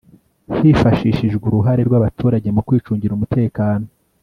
hifashishijwe uruhare rw abaturage mu kwicungira umutekano